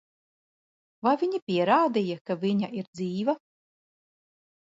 Vai viņi pierādīja, ka viņa ir dzīva?